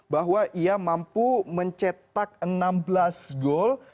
bahwa ia mampu mencetak enam belas gol